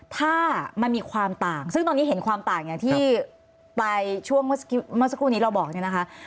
ถ้ามันมีความต่างซึ่งตอนนี้เห็นความต่างอย่างที่ปลายช่วงเมื่อสักครู่นี้เราบอกเนี่ยนะคะ